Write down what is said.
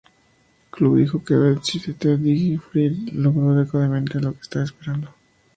Club" dijo que "Beside the Dying Fire" logró adecuadamente lo que estaba esperando.